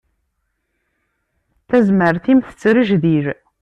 Tazmert-im tettrejdil.